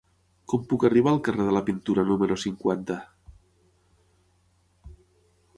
Com puc arribar al carrer de la Pintura número cinquanta?